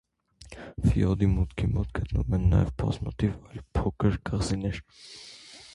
Ֆյորդի մուտքի մոտ գտնվում են նաև բազմաթիվ այլ փոքր կղզիներ։